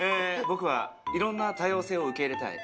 僕はいろんな多様性を受け入れたい。